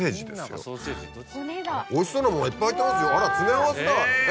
おいしそうなものがいっぱい入ってますよ。